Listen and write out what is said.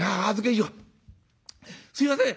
すいません。